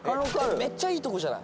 めっちゃいい所じゃない。